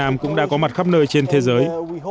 việt nam cũng đã có mặt khắp nơi trên thế giới